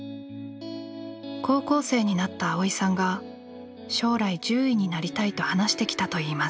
高校生になった蒼依さんが将来獣医になりたいと話してきたといいます。